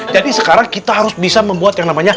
jadi sekarang kita harus bisa membuat yang namanya